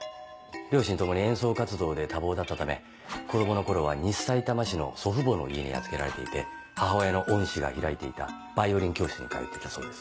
両親ともに演奏活動で多忙だったため子供の頃は西さいたま市の祖父母の家に預けられていて母親の恩師が開いていたヴァイオリン教室に通っていたそうです。